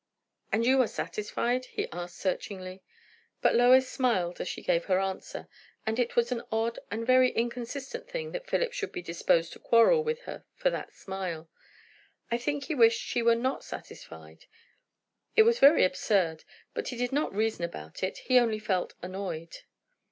"And you are satisfied?" he asked searchingly. But Lois smiled as she gave her answer; and it was an odd and very inconsistent thing that Philip should be disposed to quarrel with her for that smile. I think he wished she were not satisfied. It was very absurd, but he did not reason about it; he only felt annoyed.